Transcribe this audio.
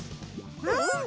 うん！